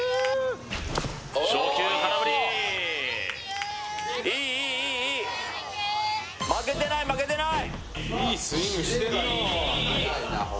初球空振りいいいいいいいい・負けてない負けてない！